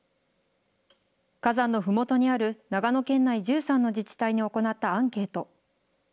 火山のふもとにある長野県内１３の自治体に行ったアンケート。